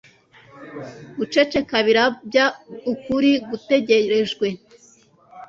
Guceceka birabya ukuri gutegerejwe